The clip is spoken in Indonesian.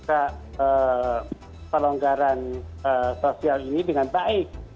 dan juga pelonggaran sosial ini dengan baik